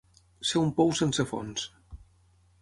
Ser un pou sense fons.